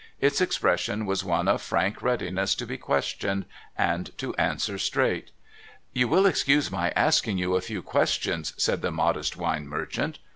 Its expression was one of frank readiness to be questioned, and to answer straight. * You will excuse my asking you a few questions ?' said the modest wine merchant.